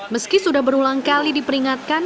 meski sudah berulang kali diperingatkan